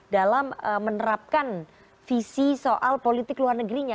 dalam menerapkan visi soal politik luar negerinya